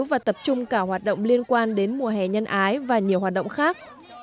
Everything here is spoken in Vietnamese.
và tập trung cả hoạt động liên quan đến mùa hè nhân ái và nhiều hoạt động khác